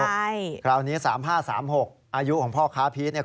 ใช่คราวนี้สามห้าสามหกอายุของพ่อค้าพีชเนี้ย